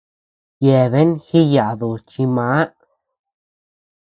Yeabean jiyadus chi màà.